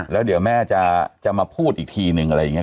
แล้วเดี๋ยวแม่จะมาพูดอีกทีนึงอะไรอย่างนี้